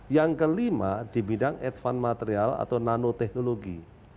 yang kelima di bidang edvan material atau nanoteknologi